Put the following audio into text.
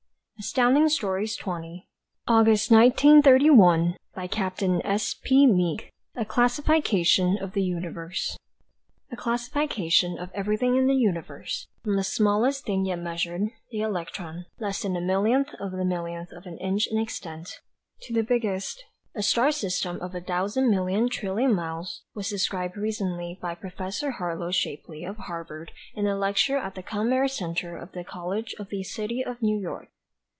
That may hinder his entrance into the country for a little while." A CLASSIFICATION OF THE UNIVERSE A classification of everything in the universe, from the smallest thing yet measured, the electron, less than a millionth of a millionth of an inch in extent, to the biggest, a star system of a thousand million trillion miles, was described recently by Prof. Harlow Shapley of Harvard in a lecture at the commerce center of the College of the City of New York.